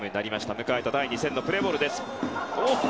迎えた第２戦のプレーボール。